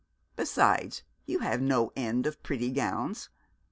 Besides you have no end of pretty gowns.